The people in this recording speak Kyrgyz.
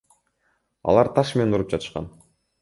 Алар таш менен уруп жатышкан.